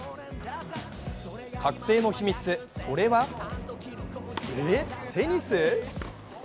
覚醒の秘密、それはえっ、テニス？